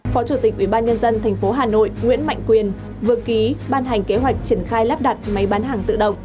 phó chủ tịch ubnd tp hà nội nguyễn mạnh quyền vừa ký ban hành kế hoạch triển khai lắp đặt máy bán hàng tự động